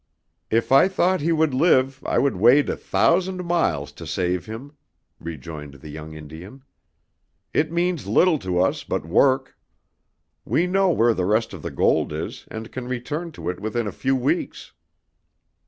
"If I thought he would live I would wade a thousand miles to save him," rejoined the young Indian. "It means little to us but work. We know where the rest of the gold is and can return to it within a few weeks."